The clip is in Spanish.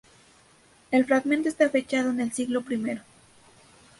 El fragmento está fechado en el siglo primero.